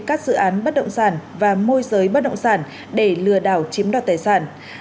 các dự án bắt động sản và môi giới bắt động sản để lừa đảo chiếm đoạt tài sản